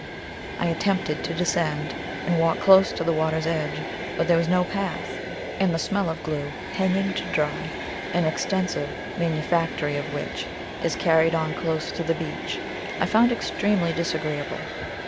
I attempted to descend, and walk close to the water's edge; but there was no path; and the smell of glue, hanging to dry, an extensive manufactory of which is carried on close to the beach, I found extremely disagreeable.